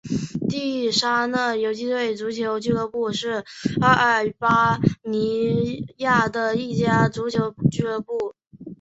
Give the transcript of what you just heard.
地拉那游击队足球俱乐部是阿尔巴尼亚的一家足球俱乐部。